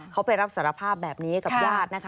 เขาไปรับสารภาพแบบนี้กับญาตินะคะ